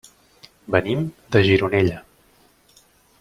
Venim de Gironella.